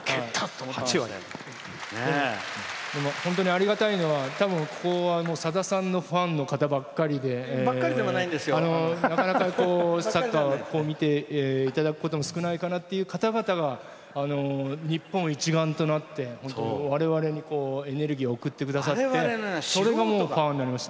本当にありがたいのはここは、さださんのばっかりではないんですよ。なかなかサッカーを見ていただくことは少ないかなという方々が日本一丸となって本当に我々にエネルギーを送ってくださってそれがパワーになりました。